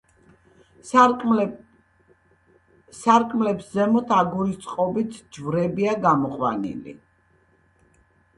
სარკმლებს ზემოთ აგურის წყობით ჯვრებია გამოყვანილი.